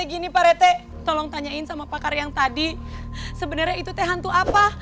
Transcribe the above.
gini pak rete tolong tanyain sama pakar yang tadi sebenarnya itu teh hantu apa